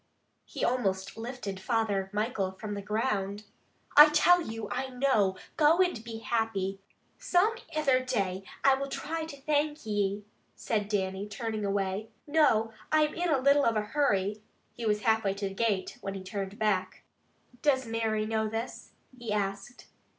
He almost lifted Father Michael from the ground. "I tell you, I know! Go and be happy!" "Some ither day I will try to thank ye," said Dannie, turning away. "Noo, I'm in a little of a hurry." He was half way to the gate when he turned back. "Does Mary know this?" he asked.